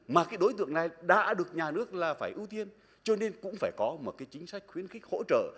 mà cái đối tượng này đã được nhà nước là phải ưu tiên cho nên cũng phải có một cái chính sách khuyến khích hỗ trợ